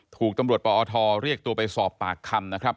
ถูกตำรวจปอทเรียกตัวไปสอบปากคำนะครับ